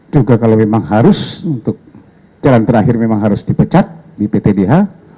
juga kalau memang harus untuk jalan terakhir memang harus dipecat di ptdh